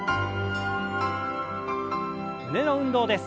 胸の運動です。